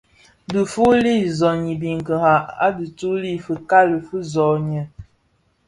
Dhifuli zoň i biňkira a dhituli, fikali fi soňi,